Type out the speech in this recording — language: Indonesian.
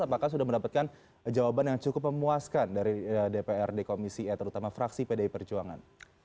apakah sudah mendapatkan jawaban yang cukup memuaskan dari dprd komisi e terutama fraksi pdi perjuangan